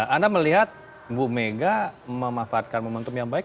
anda melihat bu mega memanfaatkan momentum yang baik